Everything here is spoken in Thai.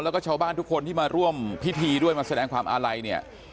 แล้วก็ชาวบ้านทุกคนที่มาร่วมพิธีด้วยมาแสดงความอาลัยเนี่ย